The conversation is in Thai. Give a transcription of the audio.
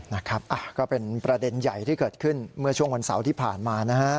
นะครับก็เป็นประเด็นใหญ่ที่เกิดขึ้นเมื่อช่วงวันเสาร์ที่ผ่านมานะฮะ